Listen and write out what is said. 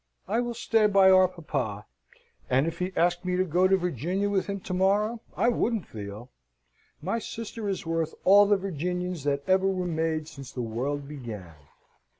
I will stay by our papa, and if he asked me to go to Virginia with him to morrow, I wouldn't, Theo. My sister is worth all the Virginians that ever were made since the world began."